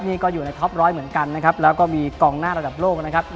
นี่ก็อยู่ในท็อปร้อยเหมือนกันนะครับแล้วก็มีกองหน้าระดับโลกนะครับ